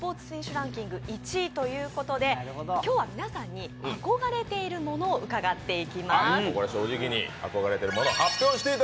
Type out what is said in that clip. ランキング１位ということで今日は皆さんに憧れているものを伺っていきます。